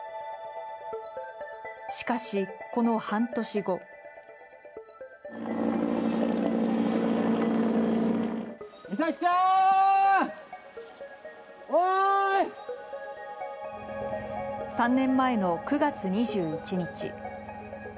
しかし、この半年後３年前の９月２１日。